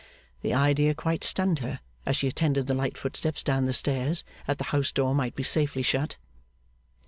The idea quite stunned her, as she attended the light footsteps down the stairs, that the house door might be safely shut.